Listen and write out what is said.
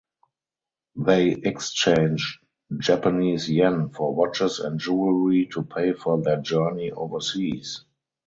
They exchange Japanese yen for watches and jewelry to pay for their journey overseas.